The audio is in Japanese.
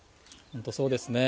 本当そうですね